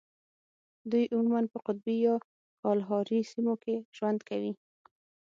دوی عموماً په قطبي یا کالاهاري سیمو کې ژوند کوي.